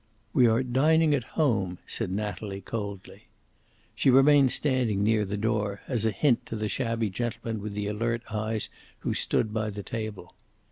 "We are dining at home," said Natalie, coldly. She remained standing near the door, as a hint to the shabby gentleman with the alert eyes who stood by the table.